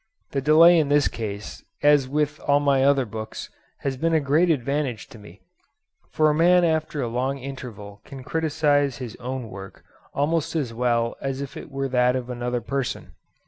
The delay in this case, as with all my other books, has been a great advantage to me; for a man after a long interval can criticise his own work, almost as well as if it were that of another person.